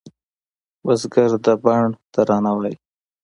بزګر د بڼ ترانه ده